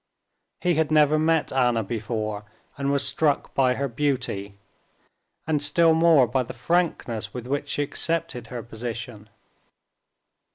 He had never met Anna before, and was struck by her beauty, and still more by the frankness with which she accepted her position.